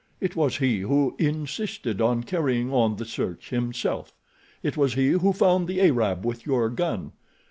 It was he who insisted on carrying on the search himself. It was he who found the Arab with your gun.